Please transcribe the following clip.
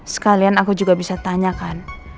sekalian aku juga bisa tanyakan